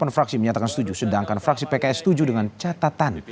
delapan fraksi menyatakan setuju sedangkan fraksi pks setuju dengan catatan